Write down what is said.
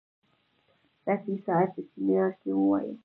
رفیع صاحب په سیمینار کې وویل.